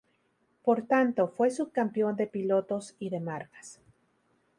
Por tanto, fue subcampeón de pilotos y de marcas.